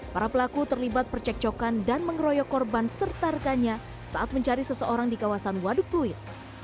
para pelaku terlibat percekcokan dan mengeroyok korban serta rekannya saat mencari seseorang di kawasan waduk pluit